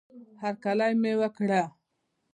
هرکلی مې وکړه